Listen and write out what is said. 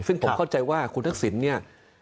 เพราะฉะนั้นผมเข้าใจว่าคุณทักษิณเนี่ย